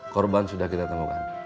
korban sudah kita temukan